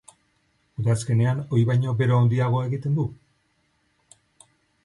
Udazkenean ohi baino bero handiagoa egiten du?